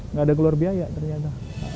nggak ada keluar biaya ternyata